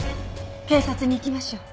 警察に行きましょう。